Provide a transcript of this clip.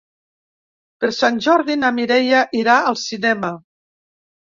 Per Sant Jordi na Mireia irà al cinema.